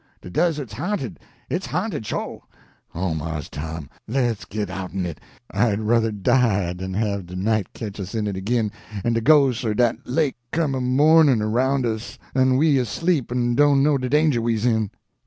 De desert's ha'nted, it's ha'nted, sho; oh, Mars Tom, le' 's git outen it; I'd ruther die den have de night ketch us in it ag'in en de ghos' er dat lake come a mournin' aroun' us en we asleep en doan' know de danger we's in."